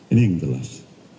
ini yang jelas